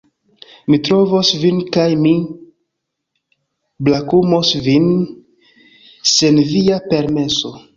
Mi trovos vin kaj mi brakumos vin sen via permeso...